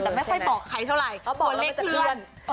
แต่ไม่ค่อยต่อใครเท่าไหร่เพราะเลขเลื่อน